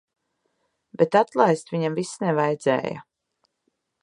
Bet atlaist viņam vis nevajadzēja.